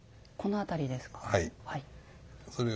このあたりですか。